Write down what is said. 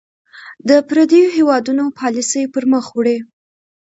د پرديـو هېـوادونـو پالسـي پـر مــخ وړي .